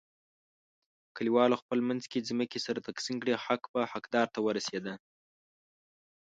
کلیوالو خپل منځ کې ځمکې سره تقسیم کړلې، حق په حق دار ورسیدا.